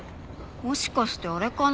もしかしてあれかな。